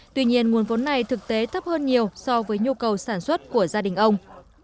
tuy nhiên nguồn vốn này thực tế thấp hơn nhiều so với nhu cầu sản xuất của gia đình ông